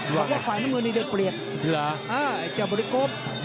บอกว่าฝ่ายน้ำเงินมีเดือดเปลี่ยนจับบริกรม